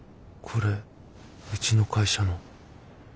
これうちの会社の。